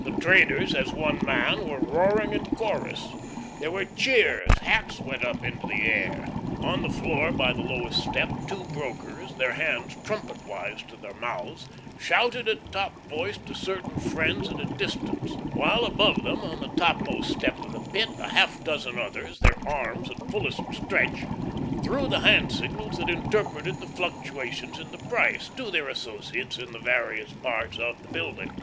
The traders as one man were roaring in chorus. There were cheers; hats went up into the air. On the floor by the lowest step two brokers, their hands trumpet wise to their mouths, shouted at top voice to certain friends at a distance, while above them, on the topmost step of the Pit, a half dozen others, their arms at fullest stretch, threw the hand signals that interpreted the fluctuations in the price, to their associates in the various parts of the building.